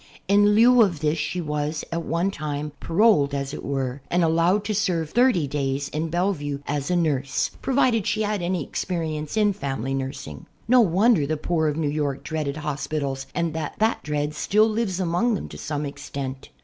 In lieu of this she was, at one time', paroled, as it were, and allowed to serve thirty days in Bellevue as a nurse, provided she had had any experience in family nursing. No wonder the poor of New York dreaded hos pitals and that that dread still lives among them to some extent.